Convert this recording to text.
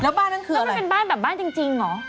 แล้วบ้านทั้งคืนแล้วมันเป็นบ้านแบบบ้านจริงเหรอ